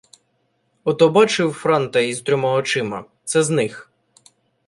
Ото бачив франта із трьома очима — це з них.